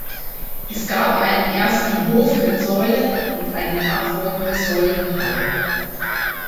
Es gab einen ersten Hof mit Säulen und eine nachfolgende Säulenhalle.